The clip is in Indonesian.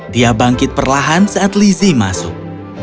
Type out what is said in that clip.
dia bangkit perlahan saat lizzie masuk